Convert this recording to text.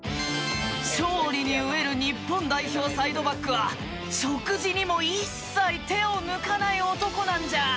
勝利に飢える日本代表サイドバックは食事にも一切手を抜かない男なんじゃ！